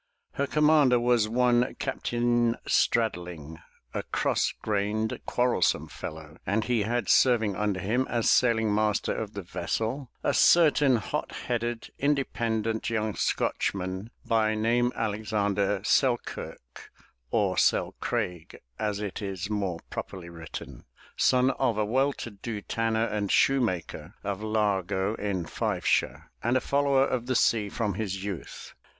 Her commander was one Cap tain Straddling, a cross grained, quarrelsome fellow, and he had serving under him as sailing master of the vessel, a certain hot headed, independent young Scotchman, by name Alexander Sel kirk, or Selcraig, as it is more properly written, son of a well to do tarmer and shoemaker of Largo in Fifeshire, and a follower of the sea from his youth.